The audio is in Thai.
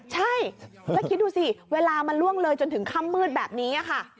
ใช่แล้วคิดดูสิเวลามันล่วงเลยจนถึงค่ำมืดแบบนี้ค่ะ